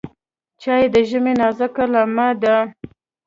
چای د ژمي نازکه لمحه ده.